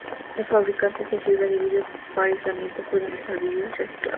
Los fabricantes de fibra de vidrio para aislamiento pueden usar vidrio reciclado.